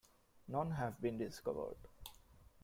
None have been discovered.